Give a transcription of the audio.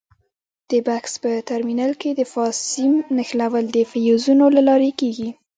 د بکس په ترمینل کې د فاز سیم نښلول د فیوزونو له لارې کېږي.